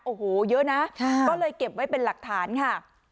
โอ้โหเยอะนะก็เลยเก็บไว้เป็นหลักฐานค่ะ